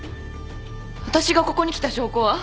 私がここに来た証拠は？